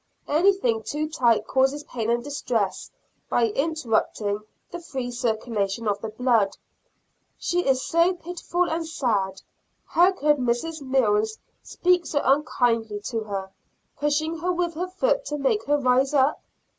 Anything too tight causes pain and distress by interrupting the free circulation of the blood. She is so pitiful and sad! How could Mrs. Mills speak so unkindly to her, pushing her with her foot to make her rise up?